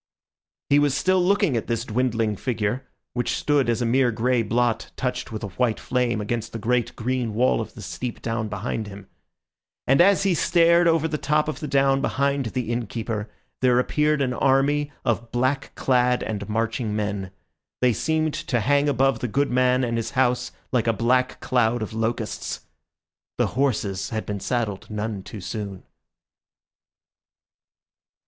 He was still looking at this dwindling figure, which stood as a mere grey blot touched with a white flame against the great green wall of the steep down behind him. And as he stared over the top of the down behind the innkeeper, there appeared an army of black clad and marching men. They seemed to hang above the good man and his house like a black cloud of locusts. The horses had been saddled none too soon.